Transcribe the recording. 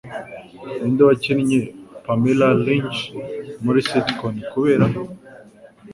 Ninde wakinnye Pamela Lynch muri sitcom Kureba?